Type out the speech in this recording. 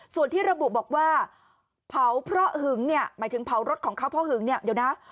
ส่วนที่ระบุบอกว่าเผาเพราะหึงเนี่ยหมายถึงเผารถของเขาเพราะหึงเนี่ยเดี๋ยวนะ